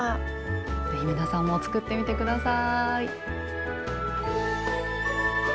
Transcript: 是非皆さんも作ってみて下さい。